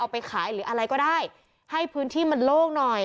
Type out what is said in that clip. ไปขายหรืออะไรก็ได้ให้พื้นที่มันโล่งหน่อย